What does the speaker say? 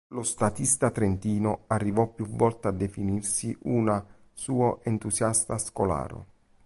Lo statista trentino arrivò più volte a definirsi una “suo entusiasta scolaro”.